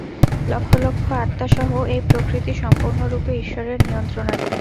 লক্ষ লক্ষ আত্মাসহ এই প্রকৃতি সম্পূর্ণরূপে ঈশ্বরের নিয়ন্ত্রণাধীন।